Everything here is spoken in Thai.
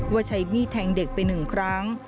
ว่าใช้มีดแทงเด็กไปหนึ่งครั้ง